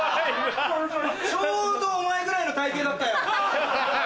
ちょうどお前ぐらいの体形だったよ。